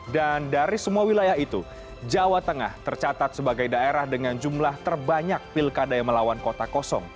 dan dari semua wilayah itu jawa tengah tercatat sebagai daerah dengan jumlah terbanyak pilkada yang melawan kontak kosong